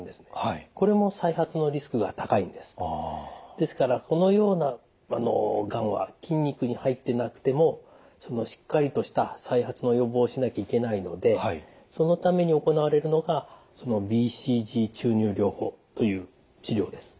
ですからこのようながんは筋肉に入ってなくてもしっかりとした再発の予防をしなきゃいけないのでそのために行われるのがＢＣＧ注入療法という治療です。